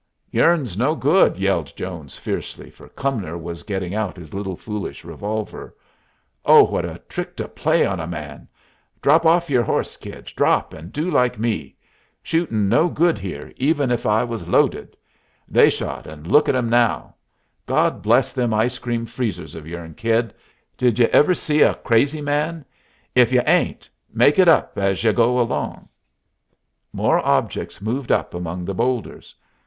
"Yourn's no good!" yelled Jones, fiercely, for Cumnor was getting out his little, foolish revolver. "Oh, what a trick to play on a man! Drop off yer horse, kid; drop, and do like me. Shootin's no good here, even if I was loaded. They shot, and look at them now. God bless them ice cream freezers of yourn, kid! Did y'u ever see a crazy man? If you 'ain't, make it up as y'u go along!" More objects moved up among the bowlders.